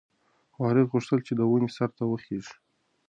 وارث غوښتل چې د ونې سر ته وخیژي.